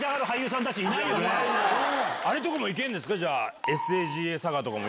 あれとかも行けるんですか？